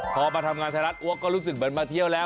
พอมาทำงานไทยรัฐอวกก็รู้สึกเหมือนมาเที่ยวแล้ว